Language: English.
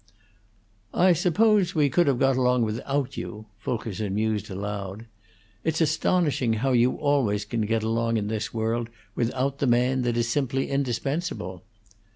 "I suppose we could have got along without you," Fulkerson mused aloud. "It's astonishing how you always can get along in this world without the man that is simply indispensable.